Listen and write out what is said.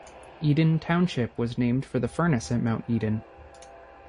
Eden Township was named for the furnace at Mount Eden.